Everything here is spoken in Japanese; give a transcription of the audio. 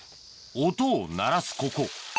音を鳴らすここ